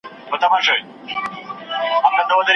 چي خدای نه وي لوی کړي ماشومان به بدل نه سي